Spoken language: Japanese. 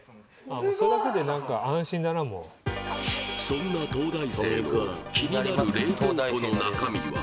そんな東大生の気になる冷蔵庫の中身は？